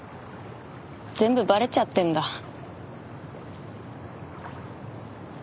全部バレちゃってんだ。